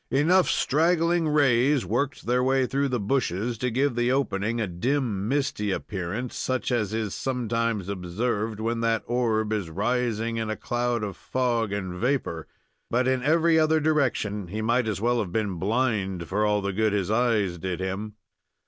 Enough straggling rays worked their way through the bushes to give the opening a dim, misty appearance, such as is sometimes observed when that orb is rising in a cloud of fog and vapor; but in every other direction he might as well have been blind, for all the good his eyes did him.